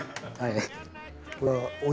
はい。